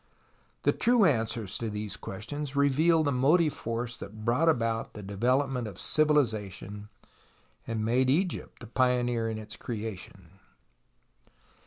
The true answers to these questions reveal the motive force that brought about the development of civilization and made Egypt the pioneer in its creation.